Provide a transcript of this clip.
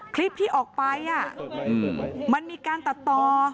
คลิปที่ออกไปมันมีการตัดต่อ